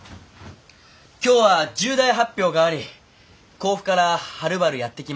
今日は重大発表があり甲府からはるばるやって来ましたじゃん。